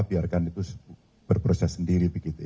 biarkan itu berproses sendiri begitu ya